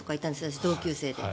同級生で。